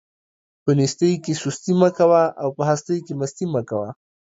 په نيستۍ کې سستي او په هستۍ کې مستي مه کوه.